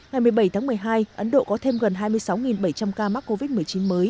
ngày một mươi bảy tháng một mươi hai ấn độ có thêm gần hai mươi sáu bảy trăm linh ca mắc covid một mươi chín mới